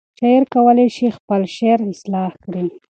شاعر کولی شي خپل شعر اصلاح کړي.